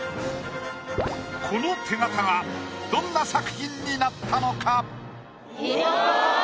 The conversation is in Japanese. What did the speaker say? この手形がどんな作品になったのか？